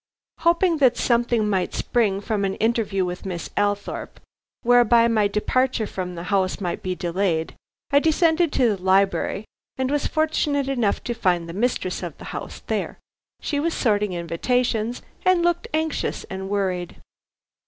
Hoping that something might spring from an interview with Miss Althorpe whereby my departure from the house might be delayed, I descended to the library, and was fortunate enough to find the mistress of the house there. She was sorting invitations, and looked anxious and worried.